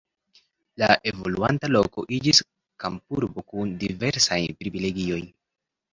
La evoluanta loko iĝis kampurbo kun diversaj privilegioj.